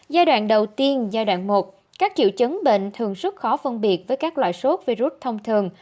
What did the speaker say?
giai đoạn đầu tiên giai đoạn một các triệu chứng bệnh thường rất khó phân biệt với các loại sốt virus thông thường